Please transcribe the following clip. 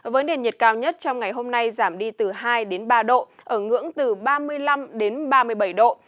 với nền nhiệt cao nhất trong ngày hôm nay giảm đi từ hai ba độ ở ngưỡng từ ba mươi năm đến ba mươi bảy độ